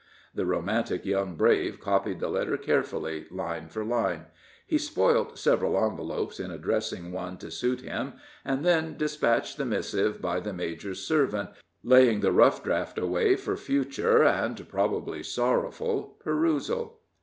The romantic young brave copied the letter carefully, line for line; he spoilt several envelopes in addressing one to suit him, and then dispatched the missive by the major's servant, laying the rough draft away for future (and probably sorrowful) perusal.